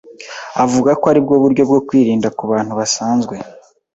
avuga ko ari bwo buryo bwo kwirinda ku bantu basanzwe.